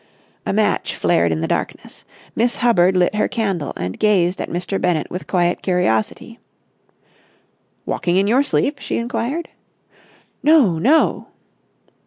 A match flared in the darkness. Miss Hubbard lit her candle, and gazed at Mr. Bennett with quiet curiosity. "Walking in your sleep?" she inquired. "No, no!"